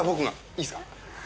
いいですか？